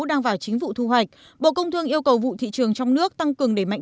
đang vào chính vụ thu hoạch bộ công thương yêu cầu vụ thị trường trong nước tăng cường để mạnh